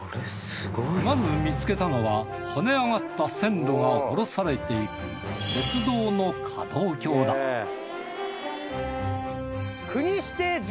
まず見つけたのは跳ね上がった線路が降ろされていく鉄道の可動橋だあっこれすごいな。